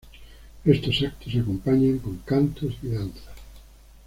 Estos actos se acompañan con cantos y danzas.